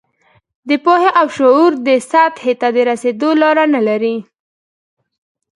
د پوهې او شعور دې سطحې ته رسېدو لاره نه لري.